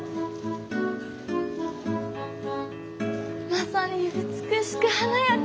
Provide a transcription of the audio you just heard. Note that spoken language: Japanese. まさに美しく華やか。